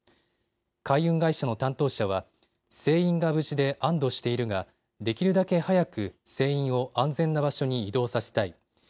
海運会社の担当者は船員が無事で安どしているができるだけ早く船員を安全な場所に移動させたい。